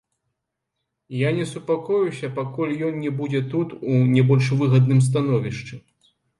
Я не супакоюся, пакуль ён не будзе тут у не больш выгадным становішчы.